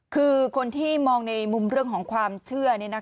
คือคนที่มองในมุมเรื่องของความเชื่อเนี่ยนะคะ